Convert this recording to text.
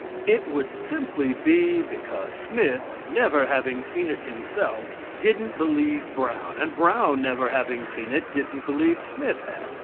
It would simply be because Smith, never having seen it himself, didn't believe Brown; and Brown, never having seen it, didn't believe Smith had.